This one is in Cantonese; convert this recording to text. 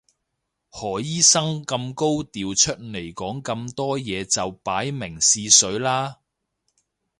何醫生咁高調出嚟講咁多嘢就擺明試水啦